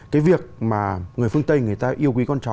cái việc mà người phương tây người ta yêu quý con chó